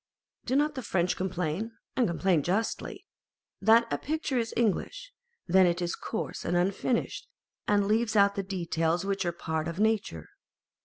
Do not the French complain (and complain justly) that a picture is English, when it is coarse and unfinished, and leaves out the details which are one part of nature?